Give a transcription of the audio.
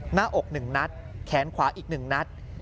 หน้าอก๑นัดแขนขวาอีก๑นัด